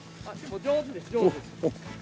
上手です上手です。